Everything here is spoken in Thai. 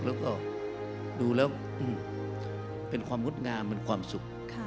แล้วก็ดูแล้วเป็นความงดงามเป็นความสุข